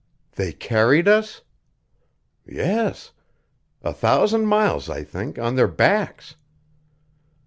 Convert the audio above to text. "They carried us?" "Yes. A thousand miles, I think, on their backs.